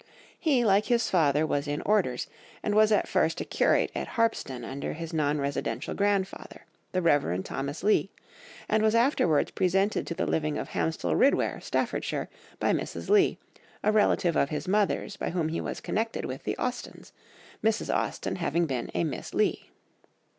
He, like his father, was in Orders, and was at first a curate at Harpsden under his non residential grandfather, the Rev. Thomas Leigh, and was afterwards presented to the living of Hamstall Ridware, Staffordshire, by Mrs. Leigh, a relative of his mother's by whom he was connected with the Austens, Mrs. Austen having been a Miss Leigh.